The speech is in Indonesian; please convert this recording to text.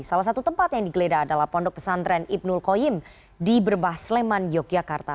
salah satu tempat yang digeledah adalah pondok pesantren ibnul koyim di berbah sleman yogyakarta